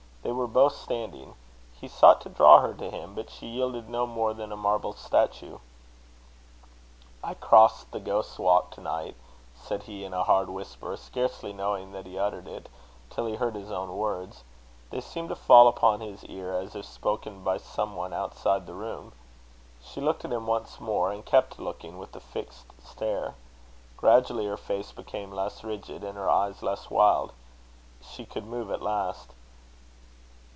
They were both standing. He sought to draw her to him, but she yielded no more than a marble statue. "I crossed the Ghost's Walk to night," said he, in a hard whisper, scarcely knowing that he uttered it, till he heard his own words. They seemed to fall upon his ear as if spoken by some one outside the room. She looked at him once more, and kept looking with a fixed stare. Gradually her face became less rigid, and her eyes less wild. She could move at last.